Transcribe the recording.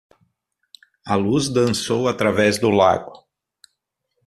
A luz dançou através do lago.